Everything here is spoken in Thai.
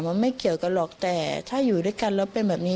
ไม่เกี่ยวกันหรอกแต่ถ้าอยู่ด้วยกันแล้วเป็นแบบนี้